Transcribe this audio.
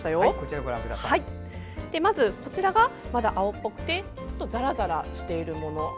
まず、こちらがまだ青っぽくてざらざらしているもの。